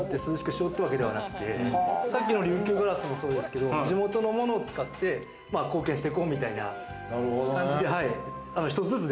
さっきの琉球ガラスもそうですけど、地元のものを使って貢献してこうみたいな感じで。